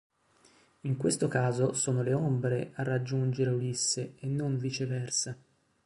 In questo caso sono le ombre a raggiungere Ulisse e non viceversa.